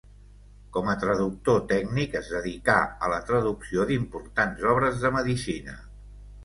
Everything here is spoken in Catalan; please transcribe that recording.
Com a traductor tècnic es dedicà a la traducció d'importants obres de medicina.